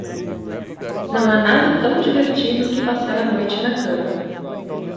Não há nada tão divertido que passar a noite na cama.